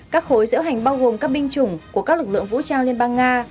các khối diễu hành bao gồm các binh chủng của các lực lượng vũ trang liên bang nga